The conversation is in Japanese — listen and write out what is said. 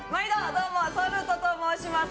どうもそるとと申します。